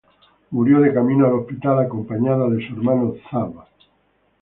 Murió de camino al hospital acompañada de su hermano Zab.